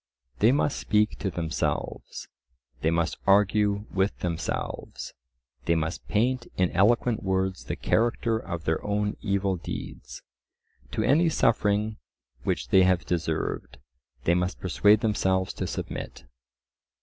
They must speak to themselves; they must argue with themselves; they must paint in eloquent words the character of their own evil deeds. To any suffering which they have deserved, they must persuade themselves to submit.